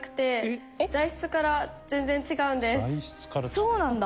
そうなんだ！